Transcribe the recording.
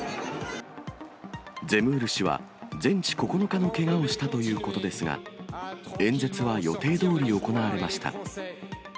ゼムール氏は全治９日のけがをしたということですが、演説は予定どおり行われました。